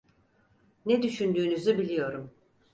Ne düşündüğünüzü biliyorum.